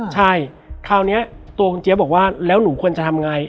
ใช่คราวนี้ตัวคุณเจี๊ยบบอกว่าแล้วหนูควรจะทำไง